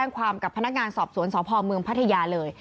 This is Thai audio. ความกับพนักงานสอบสวนสพเมืองพัทยาเลย